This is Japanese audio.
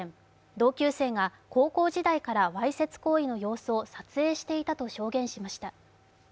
同級生が高校時代からわいせつ行為の様子を撮影していたと証言しました。